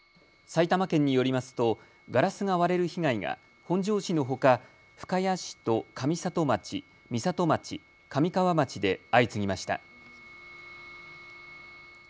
埼玉県によりますとガラスが割れる被害が本庄市のほか深谷市と上里町、美里町、神川町で相次ぎました。